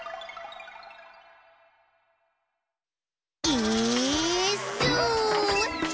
「イーッス」